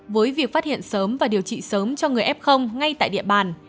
với việc phát hiện sớm và điều trị sớm cho người f ngay tại địa bàn